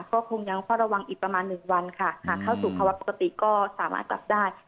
ก็คงยังเฝ้าระวังอีกประมาณหนึ่งวันค่ะหากเข้าสู่ภาวะปกติก็สามารถกลับได้